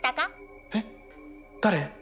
えっ誰？